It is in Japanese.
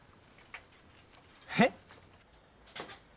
えっ？